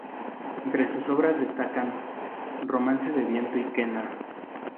Entre sus obras destacan "Romance de viento y quena".